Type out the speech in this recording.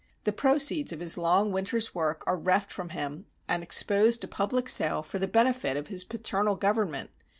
The proceeds of his long winter's work are reft from him, and exposed to public sale for the benefit of his paternal government